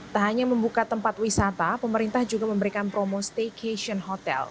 tak hanya membuka tempat wisata pemerintah juga memberikan promo staycation hotel